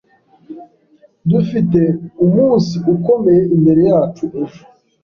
Dufite umunsi ukomeye imbere yacu ejo